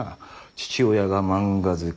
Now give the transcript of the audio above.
「父親が漫画好き。